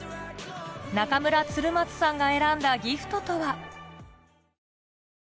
中村鶴松さんが選んだギフトとは？